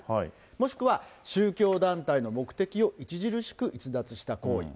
もしくは宗教団体の目的を著しく逸脱した行為。